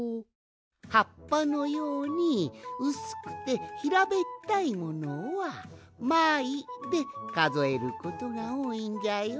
はっぱのようにうすくてひらべったいものは「まい」でかぞえることがおおいんじゃよ。